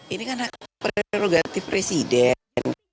ini kan hak prerogatif presiden